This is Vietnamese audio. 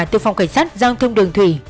từ phòng cảnh sát gian thông đường thủy